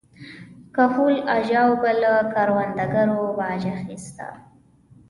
کهول اجاو به له کروندګرو باج اخیسته